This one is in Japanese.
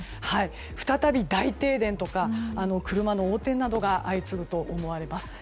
再び大停電とか、車の横転などが相次ぐと思われます。